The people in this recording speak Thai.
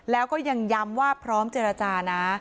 แล้วก็ยังย้ำว่าพร้อมเจรจานะ